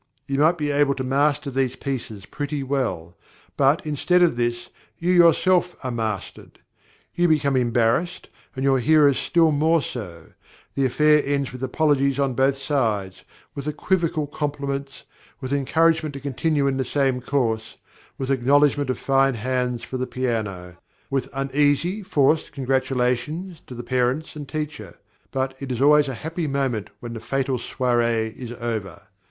You might be able to master these pieces pretty well, but, instead of this, you yourselves are mastered. You become embarrassed, and your hearers still more so: the affair ends with apologies on both sides, with equivocal compliments, with encouragement to continue in the same course, with acknowledgment of fine hands for the piano, with uneasy, forced congratulations to the parents and teacher; but it is always a happy moment when the fatal soirée is over.